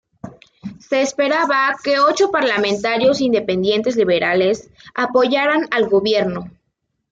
Se esperaba que ocho parlamentarios "independientes liberales" apoyaran al gobierno.